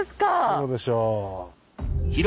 そうでしょう。